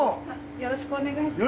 よろしくお願いします。